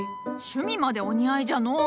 趣味までお似合いじゃのう。